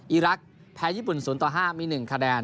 อีรักษ์แพ้ญี่ปุ่นศูนย์ต่อห้ามีหนึ่งคะแดน